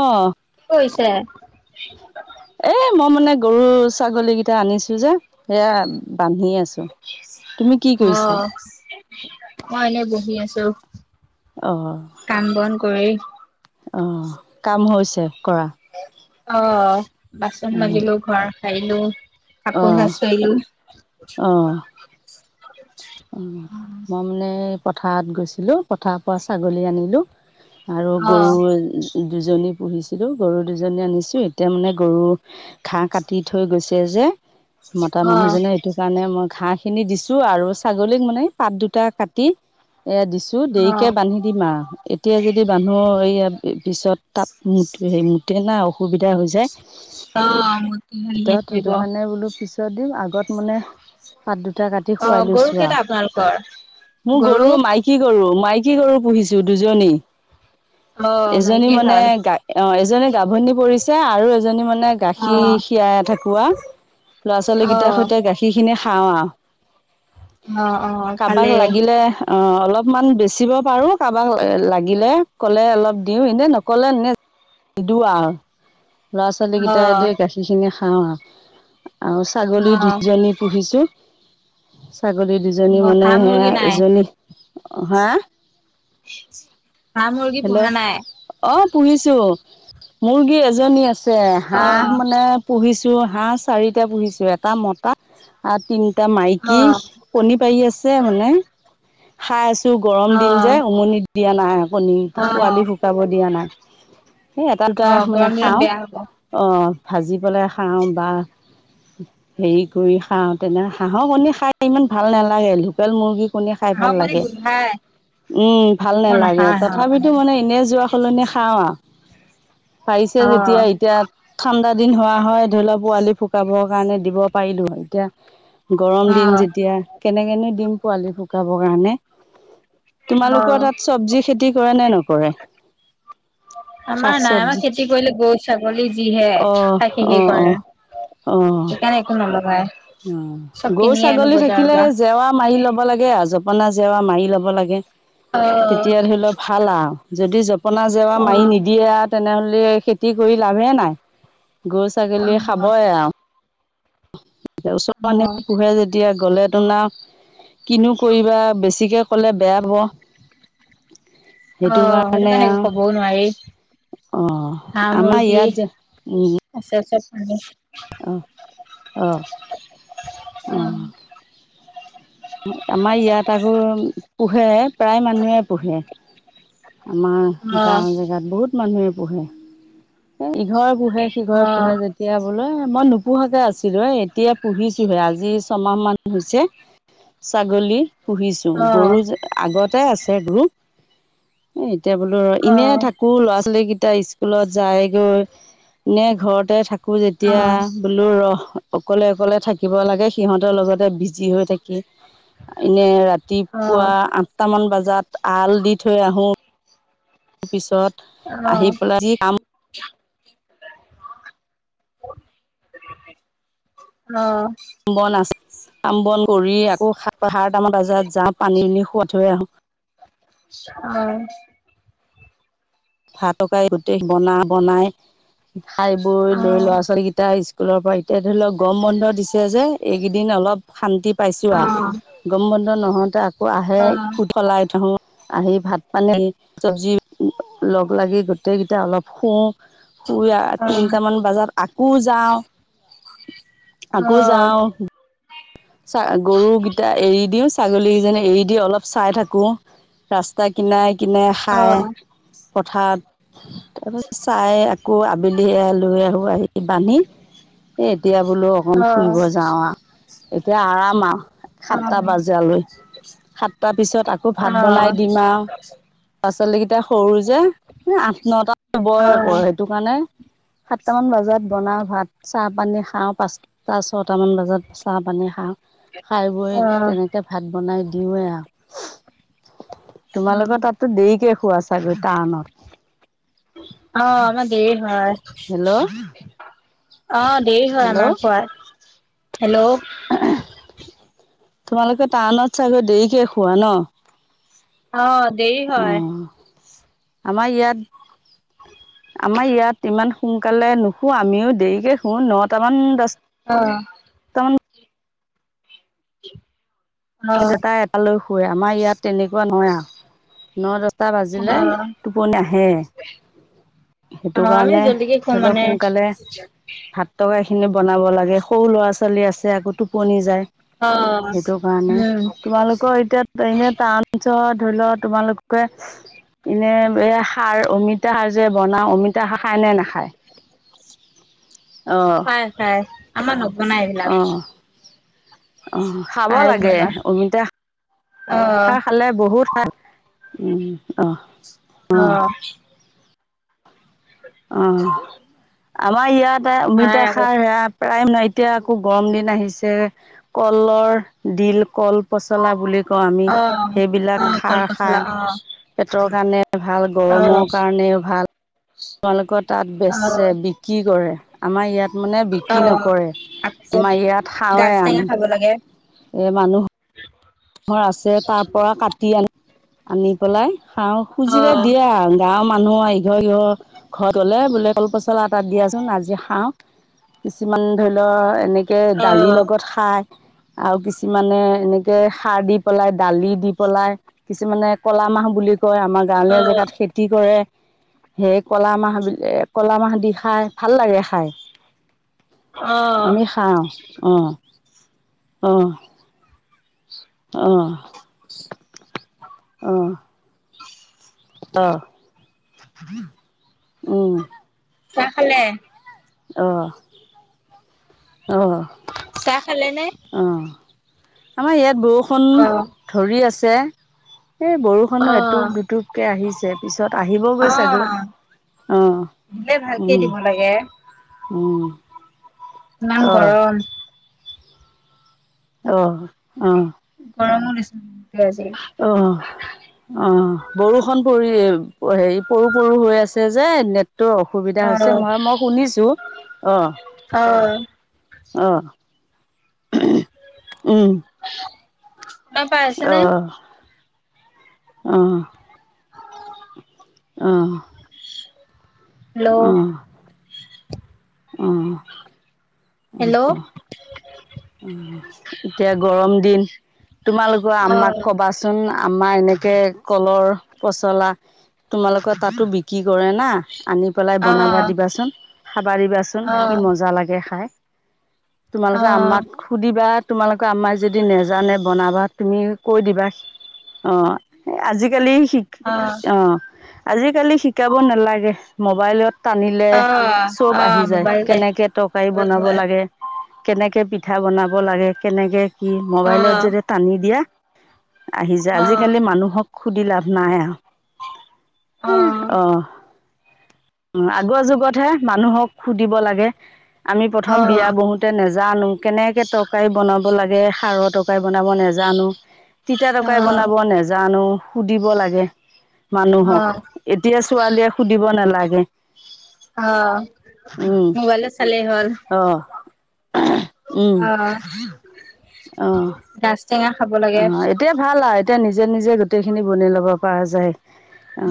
অহ। কৈছে। এই, মই মানে, গৰু-ছাগলীকেইটা আনিছোঁ যে, সেইয়া বান্ধি আছ- হ', মই এনেই বহি আছোঁ। অহ। কাম বন কৰি। অহ, কাম হৈছে, কৰা? অহ, বাচন মাজিলোঁ, ঘৰ সাৰিলোঁ, কাপোৰ [unintelligible] [unintelligible] অহ। [unintelligible] অহ, মই মানে পথাৰত গৈছিলোঁ। পথাৰৰ পৰা ছাগলী আনিলোঁ। আৰু গৰু অ', দুজনী পুহিছিলোঁ, গৰু দুজনী আনিছোঁ। এতিয়া মানে গৰু- ঘাঁহ কাটি থৈ গৈছে যে। মতা অ', মানুহজনে, সেইটো কাৰণে মই ঘাঁহখিনি দিছোঁ আৰু। ছাগলীক মানে পাত দুটা কাটি এ' দিছোঁ। দেৰিকে অ', বান্ধি- দিম আৰু। এতিয়াই যদি মানুহ এইয়া পিছত, তাত মূত সেই মূতে না। সুবিধা হৈ যায়। অহ, মূতে। ভিতৰত সেইটো কাৰণে বোলোঁ পিছত দিম, আগত মানে- পাত দুটা কাটি অ', খুৱাই গৰু লৈছোঁ কেইটা আৰু। আপোনালোকৰ? মোৰ গৰু গৰুৰ মাই- কী গৰু, মাইকী গৰু পুহিছোঁ, দুজনী। অ', এজনী মাইকীয়ে মানে ভাল গাই- অ', এজনী গাভনি পৰিছে, আৰু এজনী মানে- গাখীৰ অ', খীৰাই থাকোঁ আৰু। ল'ৰা-ছোৱালী কেইটা অ'। সৈতে গাখীৰখিনি খাওঁ আৰু। অ', অ', কা'বাক ভালেই অ', লাগিলে- অহ, অলপমান বেচিব পাৰোঁ। কা'বাক ল-লাগিলে ক'লে অলপ দিওঁ, এনেই নক'লে এনে- নিদিওঁ আৰু। অ', ল'ৰা-ছোৱালীকেইটাইটো গাখীৰখিনি খাওঁ আৰু। অহ, ছাগলী অ', দুজনী- পুহিছোঁ। ছাগলী দুজনী মানে, হাঁহ মুৰ্গী নাই? এজনী, অ', হা? হাঁ, মুৰ্গী হেল্ল' পুহা নাই? অ পুহিছোঁ। মুৰ্গী এজনী আছে হাঁহ অ', মানে পুহিছোঁ, হাঁহ চাৰিটা পুহিছোঁ, এটা মতা আৰু তিনটা মাইকী। অ', কণী পাৰি আছে মানে, খাই আছোঁ গৰম অ', অ', দিন যে উমনি দিয়া নাই। কণী পোৱালি ফুটাব দিয়া নাই। সেই এটা দুটা অ', মানে গৰম দিনত খাওঁ। বেয়া হ'ব। অঁহ। ভাজি পেলাই খাওঁ বা হেৰী কৰি খাওঁ তেনে হাঁহৰ কণী খাই ইমান ভাল নেলাগে। লোকেল মুৰ্গী কণী খাই ভাল লাগে। নাই। উম ভাল নেলাগে। পোৱালি। তথাপিটো মানে এনেই যোৱা সলনি খাওঁ আৱ। পাৰিছে অ', যেতিয়া এতিয়া ঠাণ্ডা দিন হোৱা হয় ধৰি লোৱা পোৱালি ফুকাবৰ কাৰণে দিব পাৰিলো হয়। এতিয়া গৰম দিন যেতিয়া কেনেকেনো দিম পোৱালি ফুকাব কাৰণে তোমালোকৰ অ', তাত চব্জি খেতি কৰেনে নকৰে? শাক আমাৰ নাই। আমাৰ চব্জি খেতি কৰিলে গৰু ছাগলী যিহে, খাই শেষে কৰে। অহ। সেইকাৰণে একো নলগায়ে। অহ, গৰু ছাগলী থাকিলে সেই জেৱা মাৰি ল'ব লাগে আৱ। জপনা জেৱা মাৰি ল'ব লাগে। অ', তেতিয়া ধৰি ল' ভাল আৱ। যদি জপনা জেৱা মাৰি অ', নি দিয়ে আৰু তেনেহ'লে খেতি কৰি লাভে নাই। গৰু ছাগলীয়ে অ', খাবই আৱ। অ', [unintelligible] এতিয়া গ'লে তোন আৱ, কিনো কৰিবা বেছিকে ক'লে বেয়া পাব। সেইটো অহ, সেইটো কাৰণে একো ক'বও নোৱাৰি। অহ। হাঁহ আমাৰ মুৰ্গী ইয়াত যে, উম। আছে আছে পামে। অহ, অঁ, অ', অহ। আমাৰ ইয়াত আকৌ পুহে প্ৰায় মানুহে পুহে। আমাৰ অ', গাঁও জেগাত বহুত মানুহে পুহে। এ ইঘৰে পুহে সিঘৰে পুহে অ', অ', যেতিয়া বোলে মই নোপুহাকে আছিলোঁ এ এ তিয়া পুহিছোহে আজি ছমাহ মান হৈছে। ছাগলী পুহিছো, অ', অ', গৰু যে আগতে আছে গৰু। এ এতিয়া বোলো ৰ' অ', অ', এনেয়ে থাকোঁ ল'ৰা ছোৱালী কেইটা স্কুলত যায়গৈ। এনে ঘৰতে থাকোঁ যেতিয়া অ', বোলো ৰ'হ, অকলে অকলে থাকিব লাগে। সিহঁতৰ লগতে বিজি হৈ থাকি। এনে ৰাতিপুৱা আঠটা মান বজাত আল দি থৈ আহো। পিছত অহ। আহি পেলাই যি কাম অহ। [unintelligible] অহ। ভাতকাই গোটেই বনা বনাই, খাই বৈ লৈ লৰা ছোৱালী কেইটা ইচ স্কুলৰ পৰা এতিয়া ধৰি লৱক গৰম বন্ধ দিছে যে এইকেইদিন অলপ শান্তি পাইছোঁ আৱ। অ', গৰম বন্ধ নহওঁতে আকৌ আহে অ', অ', খুট সলাই থওঁ। আহি ভাত পানী চব্জি লগ লাগি গোটেই কেইটা অলপ শুওঁ, শুই আ অ অ তিনটা মান বজাত আকৌ যাওঁ। আকৌ যাওঁ। গৰুকেইটা এৰি দিও ছাগলীকেইজনী এৰি দি অলপ চাই থাকো। ৰাস্তা কিনাৰে কিনাৰে অ খায়, পথাৰত তাৰপাছত চাই আকৌ আবেলি লৈ আহোঁ আহি বান্ধি এই এতিয়া বোলো অ অকণ ফুৰিব যাওঁ আৰু। এতিয়া আৰাম আৰু অ সাতটা বজালৈ। সাতটা পিছত আকৌ ভাত বনাই দিম আৰু। ল'ৰা ছোৱালী কেইটা সৰু যে আঠ নটা বয় কৰ সেইটো কাৰণে সাতটামান বজাত বনাওঁ ভাত, চাহ পানী খাওঁ পাঁচটা ছটামান বজাত। চাহ পানী খাও খাই বৈ অ। তেনেকে কে ভাত বনাই দিওঁৱে আৰু। তোমালোকৰ তাততো দেৰিকেই শোৱা ছাগৈ টাওনত। অ আমাৰ দেৰি হয়। হেল্ল'। অ দেৰি হয় হেল্ল' আমাৰ শুৱাত হেল্ল'। তোমালোকে টাওনত চাগৈ দেৰিকে শুৱা ন। অ। দেৰি হয় আমাৰ ইয়াত আমাৰ ইয়াত ইমান সোনকালে নুশু আমিও দেৰিকৈ শু নটামান দহ অ। [inaudible] দেতাই এটালৈ শুৱে আমাৰ ইয়াত তেনেকুৱা নহয় আৰু ন টা অ বাজিলে অ টোপনি আহেই। সেইটো আমি কাৰণে জল্দিকে খো ধৰি লওক মানে সোনকালে ভাত তৰকাৰীখিনি বনাব লাগে সৰু ল'ৰা ছোৱালী আছে আকৌ টোপনি যায়। অ, সেইটো কাৰণে উম। তোমালোকৰ এতিয়া এনে টাউন অঞ্চলত ধৰি লও তোমালোকৰ এনে এই সাৰ অমিতা সাৰ যে বনাও অমিতা সাৰ খাই নে নাখায়। অ', হয় হয় আমাৰ নবনাই এইবিলাক। অ', অ। খাব লাগে অমিতা [inaudible] অ খালে বহুত ভাল অ। অ। অ আমাৰ ইয়াতে অমিতা খাই সেইয়া প্ৰায় ন এতিয়া আকৌ গৰম দিন আহিছে। কলৰ দিল কল পচলা বুলি কওঁ আমি অ অ সেইবিলাক কল খাৰ পচলা খাওঁ অ পেটৰ কাৰণে ভাল, অ গৰমৰ কাৰণেও ভাল। তোমালোকৰ তাত অ বেচে, বিক্ৰী কৰে আমাৰ ইয়াত মানে অ বিক্ৰী নকৰে, আমাৰ ইয়াত খাওঁৱে আমি। দিব লাগে। এ মানুহ ঘৰ আছে তাৰ পৰা কাটি আনি আনি পেলাই খাও খুজিলে অ', দিয়ে আৰু। গাঁৱৰ মানুহ ইঘৰ ইঘৰ ঘৰত গলে বোলে কল পচলা এটা দিয়াচোন আজি খাওঁ। কিছুমান ধৰি লও এনে এনেকে দালিৰ অ', লগত খায় আৰু কিছুমানে এনেকে খাৰ দি পেলাই দালি দি পেলাই কিছুমানে ক'লা মাহ বুলি কয় আমাৰ গাঁৱলীয়া অ'। জেগাত খেতি কৰে। সেই ক'লা মাহ বি ক'লা মাহ দি খাই ভাল লাগে খাই। অ', আমি খাওঁ অ অ অহ অ অহ, উম চাহ খালে? অহ অহ চাহ খালে নে? অঁ আমাৰ ইয়াত বৰষুণ অ'। ধৰি আছে এই বৰষুণ খনো অ'। এটুপ দুটুপকে আহিছে পিছত আহিব গৈ চাগৈ। অ', অঁ। দিলে ভালকে দিব লাগে। উম। ইমান অ' গৰম। অ অ। গৰমো দিছিল বু [unintelligible] আজি। অহ। অ বৰষুণ পৰিল হেৰি পৰু পৰু হৈ আছে যে নেট নেটতো অসুবিধা হৈছে অ', মই মই শুনিছো অ অ', অ উম। পায় আছে নে? অহ। অহ। হেল্ল'। অ। হেল্ল'। অহ অহ এতিয়া গৰম দিন তোমালোকৰ আম্মাক অ', কবাচোন আম্মা এনেকে কলৰ পচলা তোমালোকৰ তাতো বিক্ৰী কৰে না? আনি পেলাই বনাবা অ', দিবাচোন খাবা দিবাচোন অ', কি মজা লাগে খাই। তোমালোকে আম্মাক অ', সুধিবা তোমালোকে আম্মায় যদি নেজানে বনাবা তুমি কৈ দিবা সি অ আজিকালি শিক অ আজিকালি শিকাব নালাগে মোবাইলত টানিলে অ', চব আহি অ', যায় মোবাইলতে। কেনেকে তৰকাৰী বনাব অ', লাগে, কেনেকে পিঠা বনাব লাগে কেনেকে কি অ', মবাইলত অ', যদি টানি দিয়া আহি যায় অ'। আজিকালি মানুহক সুধি লাভ নাই আৰু। অ আগৰ যুগতহে মানুহক সুধিব লাগে। আমি প্ৰথম বিয়া বহুত নেজানো কেনেকে তৰকাৰী বনাব লাগে খাৰৰ তৰকাৰী বনাব নেজানো। তিতা অ', তৰকাৰী বনাব নেজানো সুধিব লাগে। মানুহক অ'। এতিয়া ছোৱালীয়ে সুধিব নালাগে। অ খালেই হ'ল। অ', উম। [inaudible] অ'। গাজটেঙা খাব লা অ' এতিয়া ভাল আ। এতিয়া নিজে নিজে গোটেই খিনি বনেই ল'ব পাৰা যায়।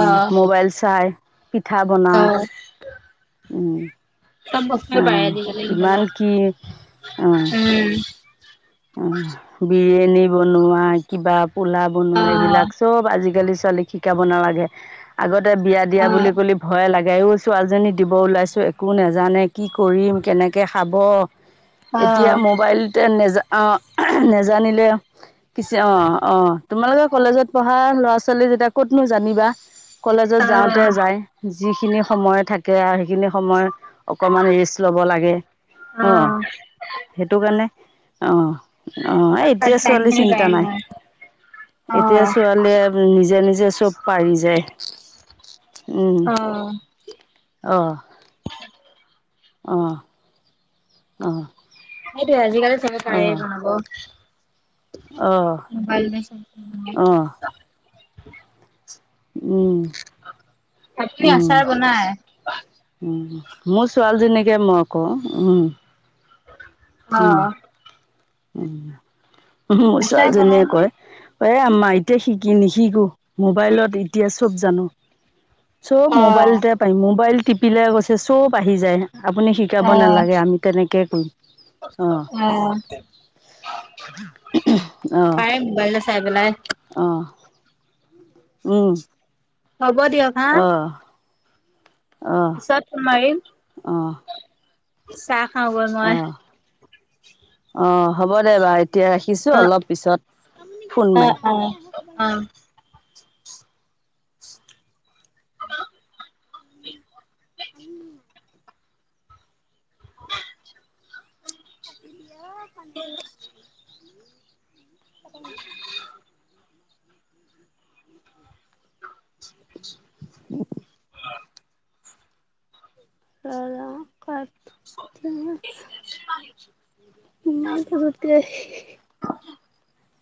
অ', মোবাইল চাই পিঠা বনা। অ', উম। চব বস্তুৱে পায় অ' আজিকালি কিমান মোবাইলত। কি? অ' উম। অ' বিৰিয়ানী বনোৱা কিবা পোলা বনোৱা অ', এইবিলাক চব আজিকালি ছোৱালীক শিকাব নালাগে। আগতে বিয়া দিয়া বুলি অ', ক'লি ভয়ে লাগে। আই ঐ ছোৱালীজনী দিব ওলাইছোঁ একো নাজানে। কি কৰিম, কেনেকে খাব? এতিয়া অ', ম'বাইলতে নেজা অহ নেজানিলে কিছে অহ, অহ, তোমালোকে কলেজত পঢ়া ল'ৰা-ছোৱালী যেতিয়া ক'তনো জানিবা? কলেজত যাওঁতে অ', যায়। যিখিনি সময় থাকে আ সেইখিনি সময় অকমান ৰেষ্ট ল'ব লাগে। অহ অ', সেইটো কাণে অহ, অহ, এ তাত এতিয়াৰ ছোৱালীৰ টাইমখিনি চিন্তা নাই। যায়গৈ। এতিয়া অ', ছোৱালীয়ে নিজে নিজে চব পাৰি যায়। অ'। অহ। অ'। অ'। সেইটোৱে আজিকালি চবে পাৰে বনাব। অঁ মোবাইলতে অঁ [unintelligible] উম, আপুনি উম। আচাৰ বনাই? মোৰ ছোৱালীজনীকে মই কৱাও। উম। উম, অ', উহু! মোৰ আচাৰ বনাই ছোৱালীজনীয়ে নে? কয়। এ আম্মা এতিয়া শিকি নিশিকো। মোবাইলত এতিয়া চব জানো। চব অ', মোবাইলতে পাই। মোবাইল টিপিলে কৈছে চব আহি যায়। আপুনি শিক শিকাব অ', নালাগে, আমি তেনেকে কইম। অ' অহ পাই মোবাইলত চাই পেলাই অহ উম। হ'ব দিয়ক। হা, অহ। অহ পিছত মাৰিম। অহ চাহ খাওঁগৈ মই। অহ অহ হ'ব দে বা এতিয়া ৰাখি অ', মাৰিম অ', অ', অহ। [unintelligible] [unintelligible] [inaudible] [unintelligible] ক'ত? [unintelligible] [unintelligible] [unintelligible]